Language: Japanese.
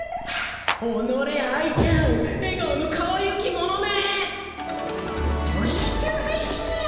おのれ愛ちゃんえ顔のかわゆき者め。